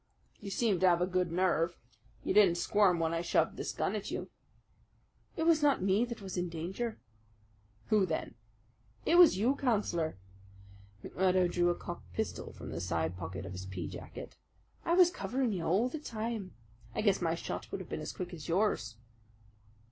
"You seem to have a good nerve. You didn't squirm when I shoved this gun at you." "It was not me that was in danger." "Who then?" "It was you, Councillor." McMurdo drew a cocked pistol from the side pocket of his peajacket. "I was covering you all the time. I guess my shot would have been as quick as yours."